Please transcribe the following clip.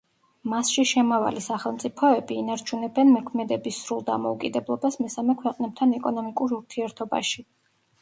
მასში შემავალი სახელმწიფოები ინარჩუნებენ მოქმედების სრულ დამოუკიდებლობას მესამე ქვეყნებთან ეკონომიკურ ურთიერთობაში.